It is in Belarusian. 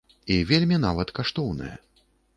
І вельмі нават каштоўнае.